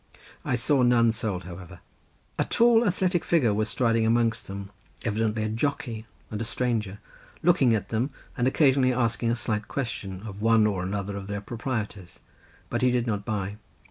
I saw none sold, however. A tall athletic figure was striding amongst them, evidently a jockey and a stranger, looking at them and occasionally asking a slight question of one or another of their proprietors, but he did not buy.